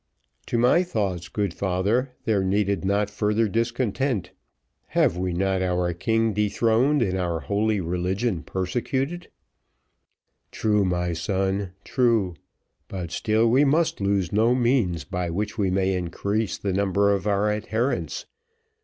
"To my thoughts, good father, there needed not further discontent. Have we not our king dethroned, and our holy religion persecuted?" "True, my son true; but still we must lose no means by which we may increase the number of our adherents.